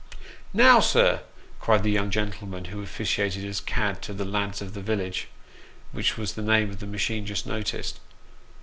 " Now, sir !" cried the young gentleman who officiated as " cad " to the " Lads of the Village," which was the name of the machine just noticed.